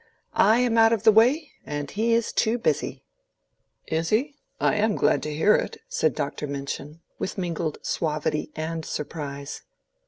"I am out of the way and he is too busy." "Is he? I am glad to hear it," said Dr. Minchin, with mingled suavity and surprise.